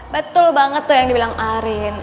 betul banget tuh yang di bilang arin